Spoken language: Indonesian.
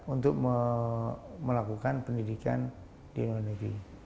untuk melakukan pendidikan di luar negeri